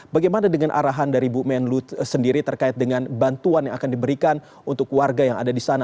bagaimana dengan arahan dari bu menlu sendiri terkait dengan bantuan yang akan diberikan untuk warga yang ada di sana